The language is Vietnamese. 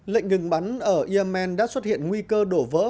lệnh ngừng bắn ở yemen đã xuất hiện nguy cơ đổ vỡ